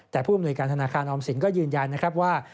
แต่ผู้อำนวยการธนาคารออมสินก็ยืนยันนะครับว่า